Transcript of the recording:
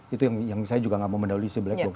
itu yang saya juga nggak mau mendahului si black box